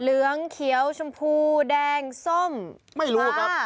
เหลืองเขียวชมพูแดงส้มปลา